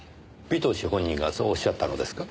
尾藤氏本人がそうおっしゃったのですか？